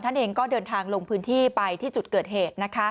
เองก็เดินทางลงพื้นที่ไปที่จุดเกิดเหตุ